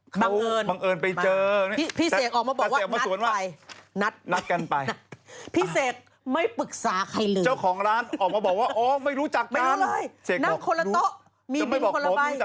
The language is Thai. บังเอิญบังเอิญไปเจอพี่เสกออกมาบอกว่านัดไปพี่เสกออกมาสวนว่า